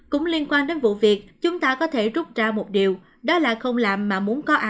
cũng liên quan đến vụ việc chúng ta có thể rút ra một điều đó là không làm mà muốn có ai